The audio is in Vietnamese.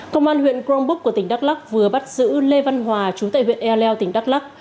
công an huyện grongbuk của tỉnh đắk lắc vừa bắt giữ lê văn hòa chú tại huyện ea leo tỉnh đắk lắc